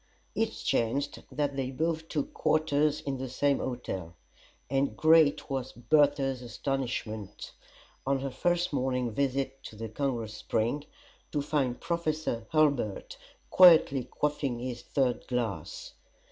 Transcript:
It chanced that they both took quarters in the same hotel; and great was Bertha's astonishment; on her first morning visit to the Congress Spring, to find Professor Hurlbut quietly quaffing his third glass.